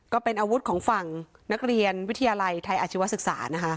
ก็เป็นอาวุธของฝั่งนักเรียนวิทยาลัยไทยอาชีวศึกษานะคะ